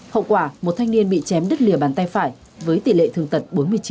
hậu quả một thanh niên bị chém đứt lìa bàn tay phải với tỷ lệ thương tật bốn mươi chín